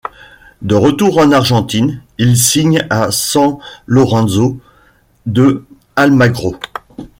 De retour en Argentine, il signe à San Lorenzo de Almagro.